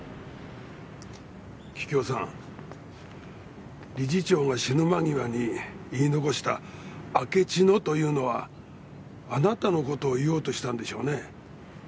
桔梗さん理事長が死ぬ間際に言い残した「明智の」というのはあなたの事を言おうとしたんでしょうね。